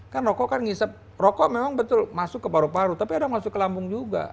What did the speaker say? kan rokok kan ngisep rokok memang betul masuk ke paru paru tapi ada yang masuk ke lambung juga